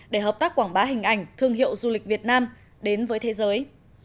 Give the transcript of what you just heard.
để hợp tác quảng bá hình ảnh thương hiệu du lịch việt nam đến với thế giới